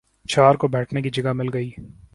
چار کو بیٹھنے کی جگہ مل گئی